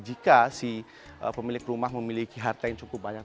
jika si pemilik rumah memiliki harta yang cukup banyak